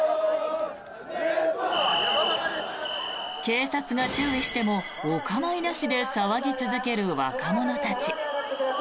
警察が注意してもお構いなしで騒ぎ続ける若者たち。